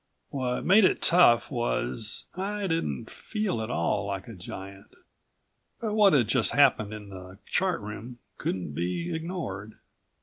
What made it tough was ... I didn't feel at all like a giant. But what had just happened in the Chart Room couldn't be ignored.